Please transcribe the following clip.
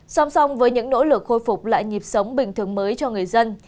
song song với những nỗ lực khôi phục lại nhịp sống bình thường mới cho người dân